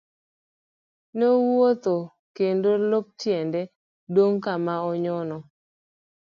Ne owuotho kendo lop tiende dong' kama onyono.